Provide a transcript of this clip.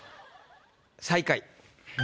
最下位。